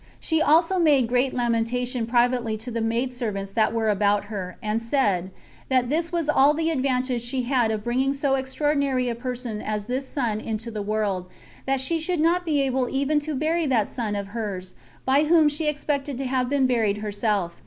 She also made great lamentation privately to the maid servants that were about her, and said, That this was all the advantage she had of bringing so extraordinary a person as this son into the world; that she should not be able even to bury that son of hers, by whom she expected to have been buried herself.